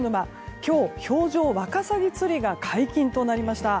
今日、氷上ワカサギ釣りが解禁となりました。